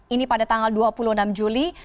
ini pada tanggal dua puluh enam juli